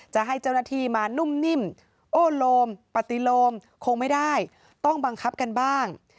จะให้เจ้าหน้าที่มานุ่มนิ่มโอ้โลมปฏิโลมคงไม่ได้ต้องบังคับกันบ้าง